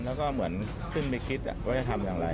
แล้วก็เหมือนขึ้นไปคิดว่าจะทำอย่างไร